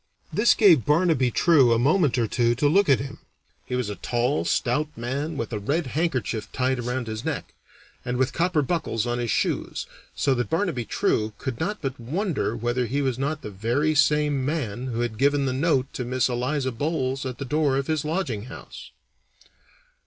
This gave Barnaby True a moment or two to look at him. He was a tall, stout man, with a red handkerchief tied around his neck, and with copper buckles on his shoes, so that Barnaby True could not but wonder whether he was not the very same man who had given the note to Miss Eliza Bolles at the door of his lodging house.